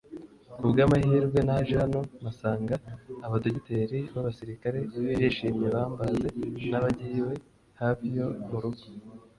Ku bw’ amahirwe naje hano mpasanga abadogiteri b’ abasirikare ndishimye bambaze nabagiwe hafi yo mu rugo